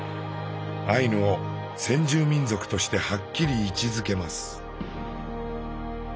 アイヌを先住民族としてはっきり位置づけます。